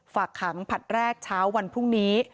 ฝากขังผลัดแรกเช้าวันพรุ่งนี้